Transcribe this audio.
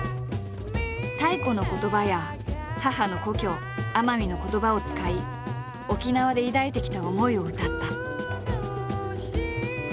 太古の言葉や母の故郷奄美の言葉を使い沖縄で抱いてきた思いを歌った。